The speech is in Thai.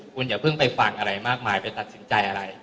คุณอย่าเพิ่งไปฟังอะไรมากมายไปตัดสินใจอะไร